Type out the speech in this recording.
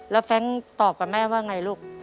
แล้วแฟรงค์ตอบกับแม่ว่าไงลูก